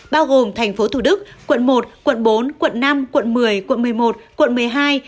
bao gồm thành phố thủ đức quận một quận bốn quận năm quận một mươi quận một mươi một quận một mươi hai